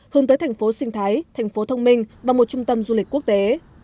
hướng tới thành phố sinh thái thành phố thông minh và một trung tâm du lịch quốc tế